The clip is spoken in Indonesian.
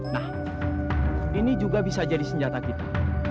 nah ini juga bisa jadi senjata kita